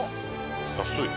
安い。